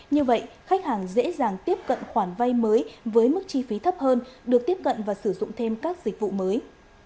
như vậy khách hàng dễ dàng tiếp cận khoản vay mới với mức chi phí thấp hơn được tiếp cận và sử dụng thêm các dịch vụ mới